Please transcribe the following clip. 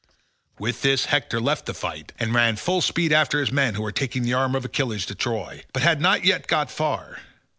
With this Hector left the fight, and ran full speed after his men who were taking the armour of Achilles to Troy, but had not yet got far.